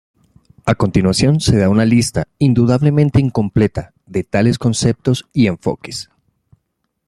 A continuación se da una lista —indudablemente incompleta— de tales conceptos y enfoques.